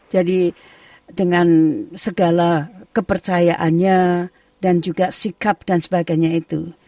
jadi dengan segala kepercayaannya dan juga sikap dan sebagainya itu